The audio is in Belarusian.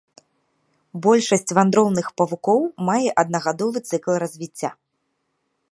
Большасць вандроўных павукоў мае аднагадовы цыкл развіцця.